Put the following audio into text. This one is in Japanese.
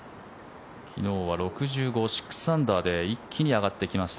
昨日は６５、６アンダーで一気に上がってきました。